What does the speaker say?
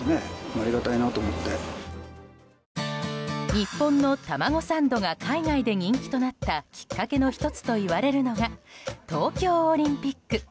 日本の卵サンドが海外で人気となったきっかけの１つといわれるのが東京オリンピック。